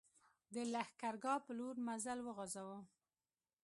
د لښکرګاه پر لور مزل وغځاوه.